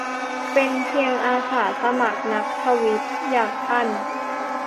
เป็นเพียงอาสาสมัครนักทวีต อย่างท่าน